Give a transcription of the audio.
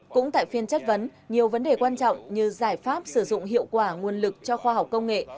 cũng tại phiên chất vấn nhiều vấn đề quan trọng như giải pháp sử dụng hiệu quả nguồn lực cho khoa học công nghệ